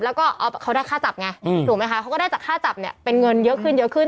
แล้วก็เขาได้ค่าจับไงถูกไหมคะเขาก็ได้จากค่าจับเนี่ยเป็นเงินเยอะขึ้นเยอะขึ้น